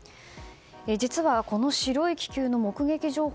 実はこの白い気球の目撃情報